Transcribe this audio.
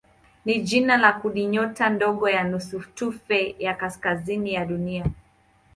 ni jina la kundinyota ndogo ya nusutufe ya kaskazini ya Dunia.